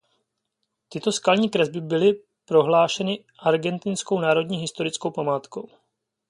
Tyto skalní kresby byly prohlášeny argentinskou národní historickou památkou.